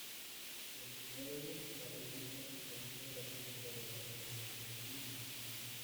Los huevos parecen una sustancia gelatinosa debajo de las hojas de lirio.